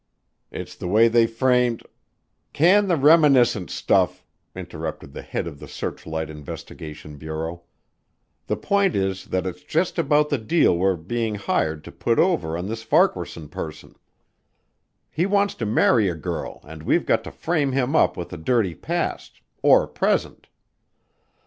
It's the way they framed " "Can the reminiscence stuff," interrupted the head of the Searchlight Investigation Bureau. "The point is that it's just about the deal we're being hired to put over on this Farquaharson person. He wants to marry a girl and we've got to frame him up with a dirty past or present.